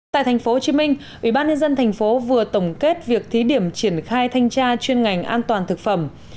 tại tp hcm ubnd tp vừa tổng kết việc thí điểm triển khai thanh tra chuyên ngành an toàn thực phẩm